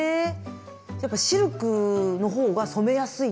やっぱシルクの方が染めやすいんですか？